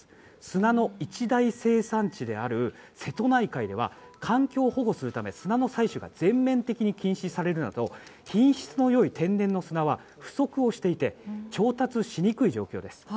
砂の一大生産地である瀬戸内海では環境を保護するため砂の採取が全面的に禁止されるなど品質の良い天然の砂は不足をしていて調達しにくい状況です。